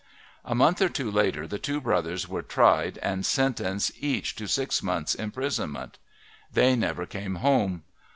A month or two later the two brothers were tried and sentenced each to six months' imprisonment. They never came home.